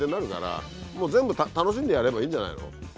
もう全部楽しんでやればいいんじゃないの？